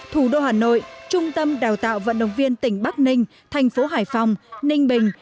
thủ đô hà nội trung tâm đào tạo vận động viên tỉnh bắc ninh thành phố hải phòng ninh bình